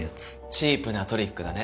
チープなトリックだね。